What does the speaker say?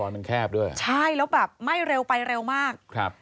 มันแคบด้วยใช่แล้วแบบไหม้เร็วไปเร็วมากครับ